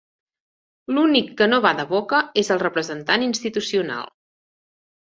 L'únic que no bada boca és el representant institucional.